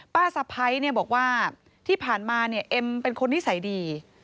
สะพ้ายเนี่ยบอกว่าที่ผ่านมาเนี่ยเอ็มเป็นคนนิสัยดี